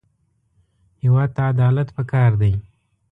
هېواد ته عدالت پکار دی